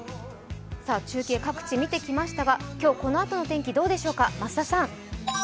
中継、各地見てきましたが、今日このあとの天気、どうでしょうか？